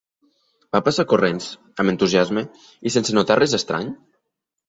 Va passar corrents, amb entusiasme, i sense notar res estrany?